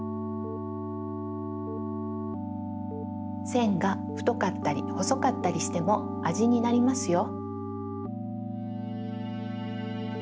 せんがふとかったりほそかったりしてもあじになりますよ。